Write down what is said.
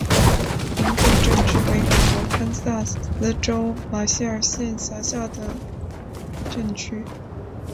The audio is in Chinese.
林肯镇区为美国堪萨斯州马歇尔县辖下的镇区。